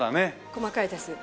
細かいです。